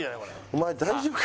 お前大丈夫か？